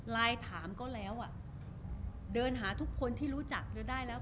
ไลน์ถามก็แล้วเดินหาทุกคนที่รู้จักได้แล้ว